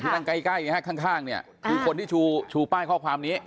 ตำรวจที่นั่งใกล้ข้างคือคนที่ชูป้ายข้อความนี้